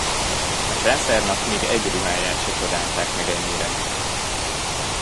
A császárnak még egy ruháját se csodálták meg ennyire.